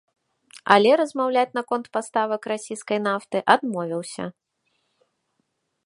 Але размаўляць наконт паставак расійскай нафты адмовіўся.